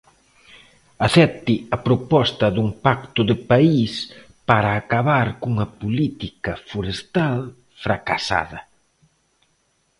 Acepte a proposta dun pacto de país para acabar cunha política forestal fracasada.